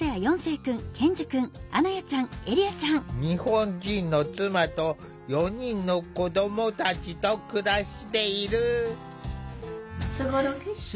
日本人の妻と４人の子どもたちと暮らしている。